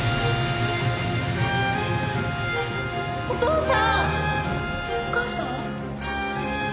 お母さん？